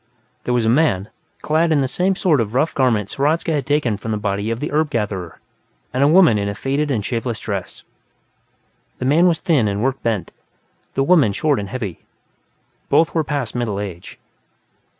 There was a man, clad in the same sort of rough garments Hradzka had taken from the body of the herb gatherer, and a woman in a faded and shapeless dress. The man was thin and work bent; the woman short and heavy. Both were past middle age.